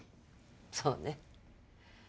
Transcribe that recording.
そうね。